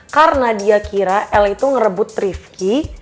karena dia kira el itu ngerebut trifki